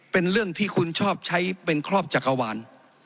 เป็นเรื่องที่คุณชอบใช้เป็นครอบจักรวาล